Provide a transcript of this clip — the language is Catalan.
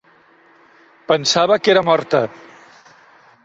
Pensava que era morta.